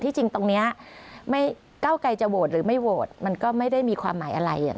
จริงตรงนี้เก้าไกรจะโหวตหรือไม่โหวตมันก็ไม่ได้มีความหมายอะไร